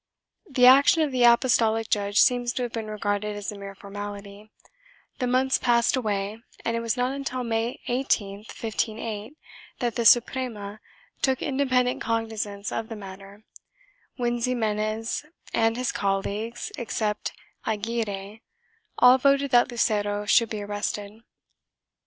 3 The action of the apostolic judge seems to have been regarded as a mere formality; the months passed away and it was not until May 18, 1508, that the Suprema took independent cognizance of the matter, when Ximenes and his colleagues, except Aguirre, all voted that Lucero should be arrested.